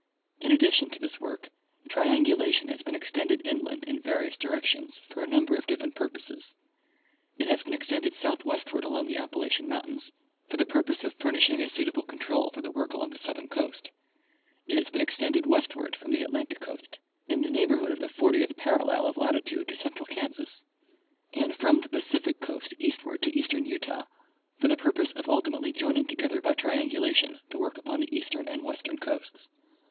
In addition to this work, triangulation has been extended inland in various directions for a number of different purposes : It has been extended southwestward along the Appalachian mountains for the purpose of furnishing a suitable control for the work along the southern coast ; it has been extended westward from the Atlantic coast in the neighborhood of the 40th parallel of latitude to central Kansas, and from the Pacific coast east ward to eastern Utah for the purpose of ultimately joining together by triangulation the work upon the eastern and western coasts.